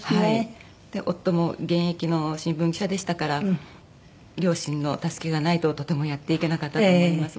夫も現役の新聞記者でしたから両親の助けがないととてもやっていけなかったと思います。